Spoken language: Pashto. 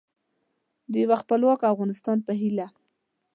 د یو خپلواک افغانستان په هیله